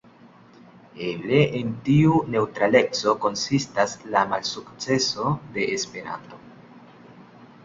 Eble en tiu neŭtraleco konsistas la malsukceso de Esperanto.